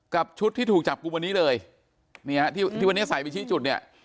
กับชุดที่ถูกจับกลุ่มวันนี้เลยเนี่ยที่ที่วันนี้ใส่ไปชี้จุดเนี่ย